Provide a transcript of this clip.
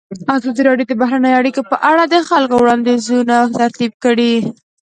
ازادي راډیو د بهرنۍ اړیکې په اړه د خلکو وړاندیزونه ترتیب کړي.